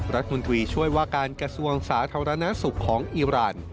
รัฐมนตรีช่วยว่าการกระทรวงสาธารณสุขของอีราน